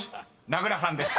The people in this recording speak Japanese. ［名倉さんです］